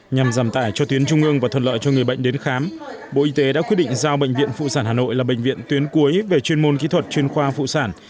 nhằm giảm tải cho tuyến trung ương và thuận lợi cho người bệnh đến khám bộ y tế đã quyết định giao bệnh viện phụ sản hà nội là bệnh viện tuyến cuối về chuyên môn kỹ thuật chuyên khoa phụ sản